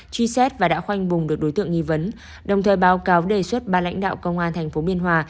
truy xét và đã khoanh vùng được đối tượng nghi vấn đồng thời báo cáo đề xuất ba lãnh đạo công an tp biên hòa